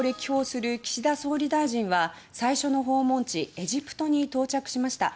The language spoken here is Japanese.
アフリカを歴訪する岸田総理大臣は最初の訪問地エジプトに到着しました。